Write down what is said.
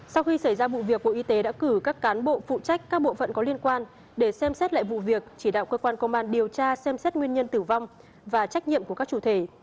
sau khi xảy ra vụ việc bộ y tế đã cử các cán bộ phụ trách các bộ phận có liên quan để xem xét lại vụ việc chỉ đạo cơ quan công an điều tra xem xét nguyên nhân tử vong và trách nhiệm của các chủ thể